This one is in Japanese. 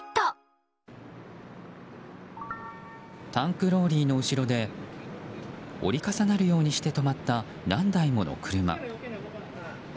タンクローリーの後ろで折り重なるようにして止まった何台もの車。